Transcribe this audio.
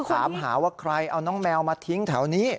ถามหาว่าใครเอาน้องแมวมาทิ้งแถวนี้